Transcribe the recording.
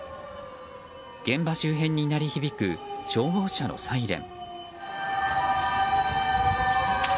現場周辺に鳴り響く消防車のサイレン。